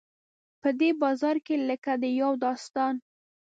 په دې بازار کې لکه د یو داستان.